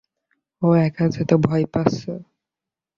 ও একা যেতে ভয় পাচ্ছে।